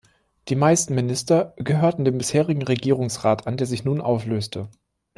Die meisten Minister gehörten dem bisherigen Regierungsrat an, der sich nun auflöste.